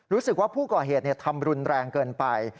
รู้สึกว่าผู้ก่อเหตุทำรุนแรงเกินไป